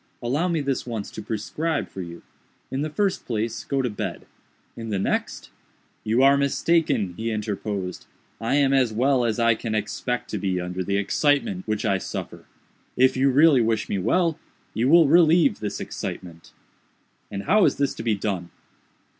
Allow me this once to prescribe for you. In the first place, go to bed. In the next—" "You are mistaken," he interposed, "I am as well as I can expect to be under the excitement which I suffer. If you really wish me well, you will relieve this excitement." "And how is this to be done?"